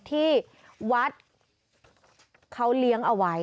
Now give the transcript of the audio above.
ที่วัดเขาเลี้ยงเอาไว้